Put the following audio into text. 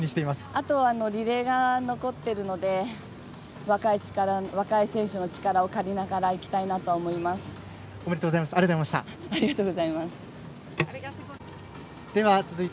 あとはリレーが残っているので若い力、若い選手の力を借りながらいきたいなとおめでとうございました。